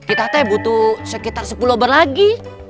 kita teh butuh sekitar sepuluh bar lagi